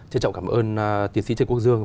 trân trọng cảm ơn tiến sĩ trần quốc dương